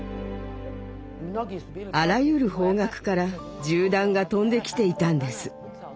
あらゆる方角から銃弾が飛んできていたんです。